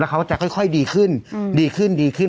เขาจะค่อยดีขึ้นดีขึ้นดีขึ้น